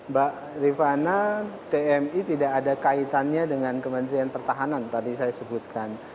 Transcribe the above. mbak rifana tmi tidak ada kaitannya dengan kementerian pertahanan tadi saya sebutkan